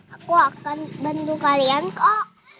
aku akan bantu kalian kok